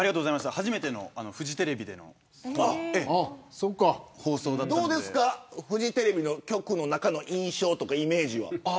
初めてのフジテレビでのどうですかフジテレビの局の中の印象とかは。